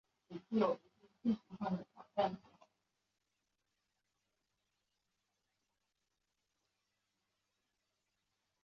小行星的名字来自古巴比伦传说中的英雄吉尔伽美什。